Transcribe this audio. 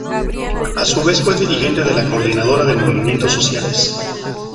A su vez fue dirigente de la Coordinadora de Movimientos Sociales.